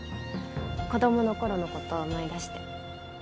子どもの頃の事を思い出して。